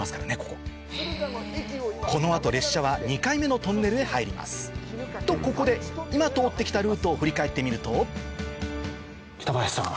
こここの後列車は２回目のトンネルへ入りますとここで今通って来たルートを振り返ってみると北林さん